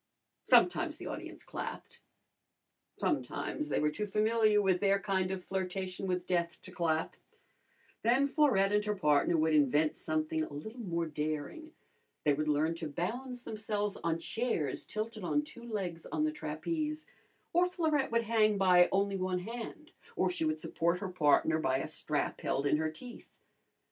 Sometimes the audience clapped. Sometimes they were too familiar with their kind of flirtation with death to clap. Then Florette and her partner would invent something a little more daring. They would learn to balance themselves on chairs tilted on two legs on the trapeze, or Florette would hang by only one hand, or she would support her partner by a strap held in her teeth.